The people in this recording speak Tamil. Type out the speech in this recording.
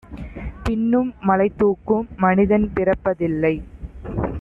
பின்னும் மலைதூக்கும் மனிதன் பிறப்பதில்லை.